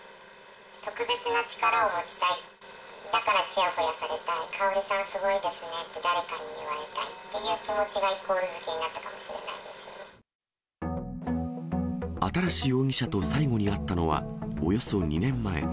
特別な力を持ちたい、だからちやほやされたい、かほりさん、すごいですねと誰かに言われたいっていう気持ちがイコールになっ新容疑者と最後に会ったのは、およそ２年前。